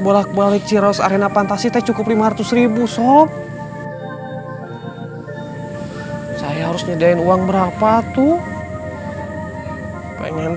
bolak balik ciros arena pantasite cukup lima ratus ribu sop saya harus nyedain uang berapa tuh pengen